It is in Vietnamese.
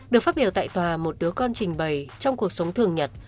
được phát biểu tại tòa một đứa con trình bày trong cuộc sống thường nhật